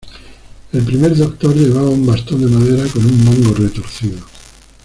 El Primer Doctor llevaba un bastón de madera con un mango retorcido.